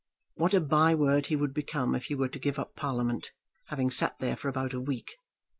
What a by word he would become if he were to give up Parliament, having sat there for about a week!